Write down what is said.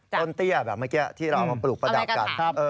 เตี้ยแบบเมื่อกี้ที่เราเอามาปลูกประดับกัน